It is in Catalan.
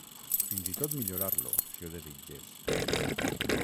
Fins i tot millorar-lo, si ho desitges.